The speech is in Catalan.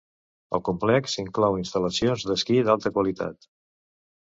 El complex inclou instal·lacions d'esquí d'alta qualitat.